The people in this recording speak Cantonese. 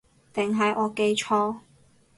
定係我記錯